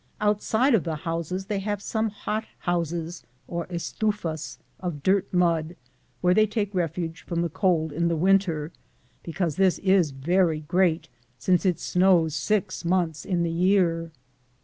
Outside of the houses they have some hot houses (or estufas) of dirt mud, where they take refuge from the cold in the winter — because this is very great, since it snows Biz months in the year.